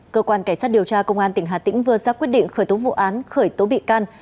cơ quan cảnh sát điều tra công an tỉnh hà tĩnh vừa ra quyết định khởi tố vụ án khởi tố bị can